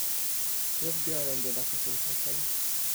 "Rozbiorę biedaka tymczasem!"